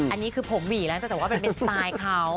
อันนี้คือผมหวีแล้วแต่ว่ามันเป็นสไตล์เขา